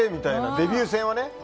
デビュー性をね。